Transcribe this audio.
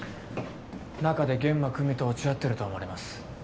中で諫間久実と落ち合ってると思われます。